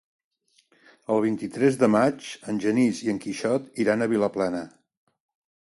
El vint-i-tres de maig en Genís i en Quixot iran a Vilaplana.